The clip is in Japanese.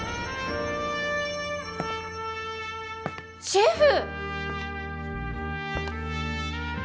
シェフ！